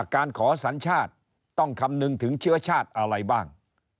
การขอสัญชาติต้องคำนึงถึงเชื้อชาติอะไรบ้าง